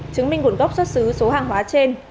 chứng minh nguồn gốc xuất xứ số hàng hóa trên